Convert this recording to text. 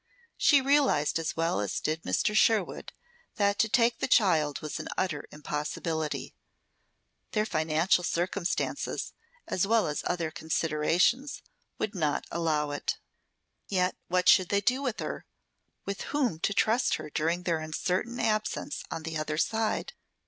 She realized as well as did Mr. Sherwood that to take the child was an utter impossibility. Their financial circumstances, as well as other considerations would not allow it. Yet, what should they do with her, with whom to trust her during their uncertain absence on the other side?